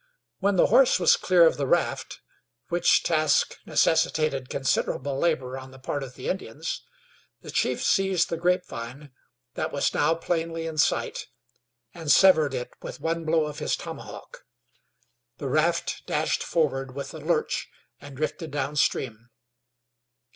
When the horse was clear of the raft, which task necessitated considerable labor on the part of the Indians, the chief seized the grapevine, that was now plainly in sight, and severed it with one blow of his tomahawk. The raft dashed forward with a lurch and drifted downstream.